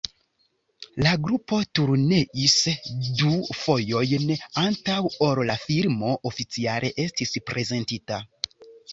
La grupo turneis du fojojn, antaŭ ol la filmo oficiale estis prezentita.